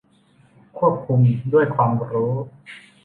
ควบคุมด้วยความรู้